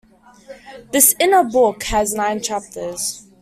This "inner" book has nine chapters.